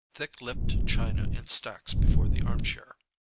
Thick lipped china in stacks before the armchair.